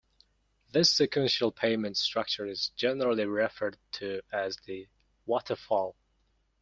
This sequential payment structure is generally referred to as the "waterfall".